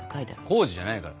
「康史」じゃないから。